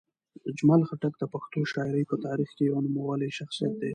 اجمل خټک د پښتو شاعرۍ په تاریخ کې یو نومیالی شخصیت دی.